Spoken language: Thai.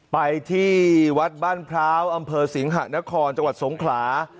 ไปที่วัดบ้านพร้าวอำเภอสิงหะนครจังหวัดสงขลา